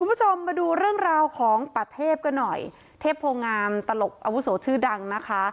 คุณผู้ชมมาดูเรื่องราวของป่าเทพกันหน่อยเทพโพงามตลกอาวุโสชื่อดังนะคะ